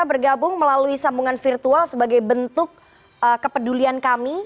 bergabung melalui sambungan virtual sebagai bentuk kepedulian kami